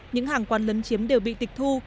những hàng quán lấn chiếm đều bị tịch thu